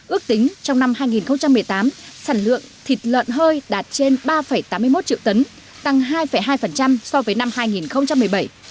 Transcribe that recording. ước tính trong năm hai nghìn một mươi tám sản lượng thịt lợn hơi đạt trên ba tám mươi một triệu tấn tăng hai hai so với năm hai nghìn một mươi bảy